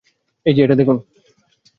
এই যে এটা দেখুন।